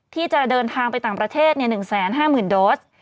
ที่จะเดินทางไปต่างประเทศ๑๕๐๐๐โดส